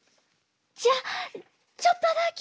じゃあちょっとだけ。